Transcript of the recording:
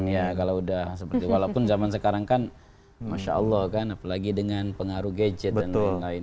ya kalau udah seperti walaupun zaman sekarang kan masya allah kan apalagi dengan pengaruh gadget dan lain lain